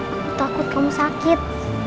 aku takut kamu sakit